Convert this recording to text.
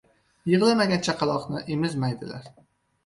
• Yig‘lamagan chaqaloqni emizmaydilar.